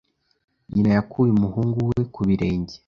Nyina yakuye umuhungu we ku birenge.